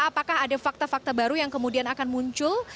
apakah ada fakta fakta baru yang kemudian akan muncul